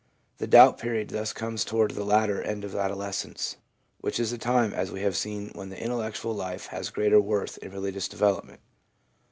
The doubt period thus comes towards the latter end of adolescence, which is the time, as we have seen, when the intellectual life has greater worth in religious development.